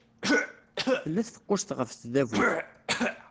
Tella tfeqqust ɣef tdabut.